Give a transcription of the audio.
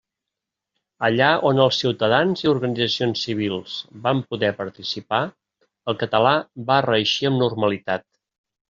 Allà on els ciutadans i organitzacions civils vam poder participar, el català va reeixir amb normalitat.